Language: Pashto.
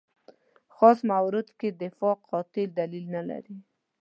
خاص مورد کې دفاع قاطع دلیل نه لري.